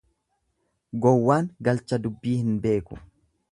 Gowwaan galcha dubbii hin beeku.